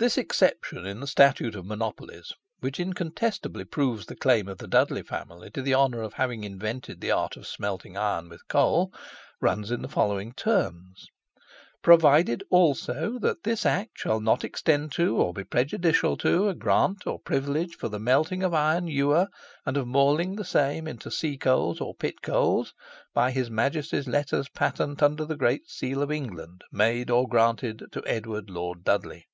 This exception in the Statute of Monopolies, which incontestably proves the claim of the Dudley family to the honour of having invented the art of smelting iron with coal, runs in the following terms: "Provided also that this Act shall not extend to, or be prejudicial to, a graunt or priviledge for the melting of iron ewer, and of maling the same into sea coals or pit coals, by His Majesties letters Patent under the Great Seale of England, made or graunted to Edward Lord Dudley."